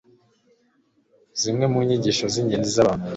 zimwe mu nyigisho z’ingenzi z’abahanuz